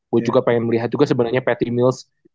gue juga pengen melihat juga sebenarnya patty mils